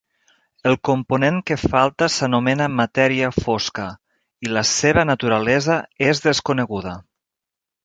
El component que falta s'anomena matèria fosca i la seva naturalesa és desconeguda.